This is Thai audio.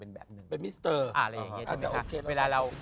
พี่ยังไม่ได้เลิกแต่พี่ยังไม่ได้เลิก